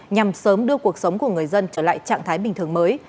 nhằm sớm đưa cuộc sống của người dân trở lại trạng thái bình thường mới